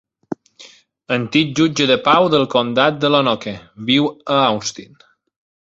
Antic jutge de pau del comtat de Lonoke, viu a Austin.